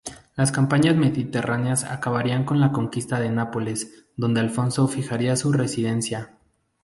Las campañas mediterráneas acabarían con la conquista de Nápoles, donde Alfonso fijaría su residencia.